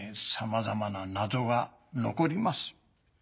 さまざまな謎が残ります。